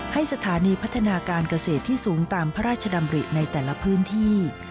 ให้สถานีพัฒนาการเกษตรที่สูงตามพระราชดำริในแต่ละพื้นที่